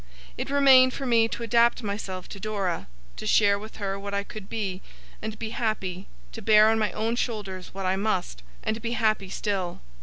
It remained for me to adapt myself to Dora; to share with her what I could, and be happy; to bear on my own shoulders what I must, and be happy still.